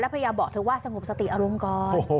พยายามบอกเธอว่าสงบสติอารมณ์ก่อน